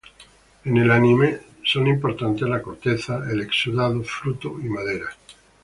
En el anime son importantes: la corteza, el exudado, fruto y madera.